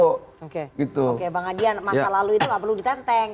oke bang adian masa lalu itu nggak perlu ditenteng